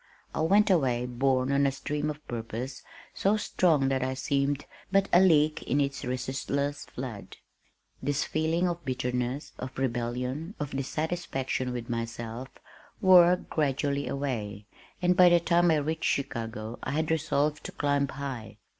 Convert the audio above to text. I went away borne on a stream of purpose so strong that I seemed but a leak in its resistless flood. This feeling of bitterness, of rebellion, of dissatisfaction with myself, wore gradually away, and by the time I reached Chicago I had resolved to climb high.